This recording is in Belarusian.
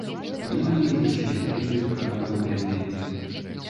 Многія яшчэ не ведаюць пра новаўвядзенне.